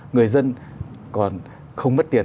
người dân còn không mất tiền